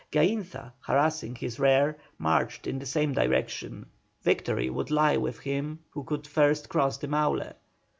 Gainza, harassing his rear, marched in the same direction; victory would lie with him who could first cross the Maule.